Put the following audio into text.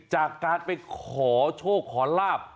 จากการไปขอโชคขอลาบ